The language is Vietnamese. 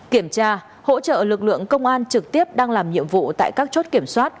kiểm tra hỗ trợ lực lượng công an trực tiếp đang làm nhiệm vụ tại các chốt kiểm soát